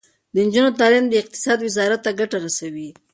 د نجونو تعلیم د اقتصاد وزارت ته ګټه رسوي.